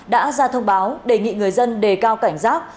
đã ra thông báo đề nghị người dân đề cao cảnh giác